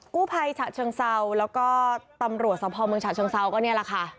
กู้ภัยฉะเชิงเซาแล้วก็ตำรวจสภเมืองฉะเชิงเซาก็เนี่ยแหละค่ะ